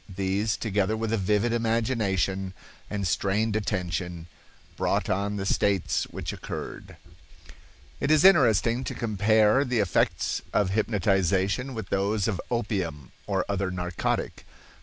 These, together with a vivid imagination and strained attention, brought on the states which occurred." It is interesting to compare the effects of hypnotization with those of opium or other narcotic. Dr.